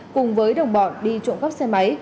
cùng với đồng bọn đi trộm các xe máy